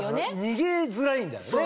逃げづらいんだよね